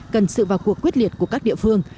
cần sự vào cuộc quyết liệt của các địa phương